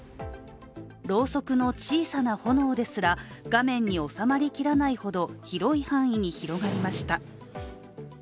ろうそくの小さな炎ですら画面に収まりきらないほど広い範囲に広がりました。